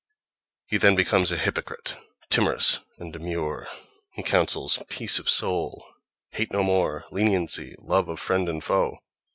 He then becomes a hypocrite, timorous and demure; he counsels "peace of soul," hate no more, leniency, "love" of friend and foe.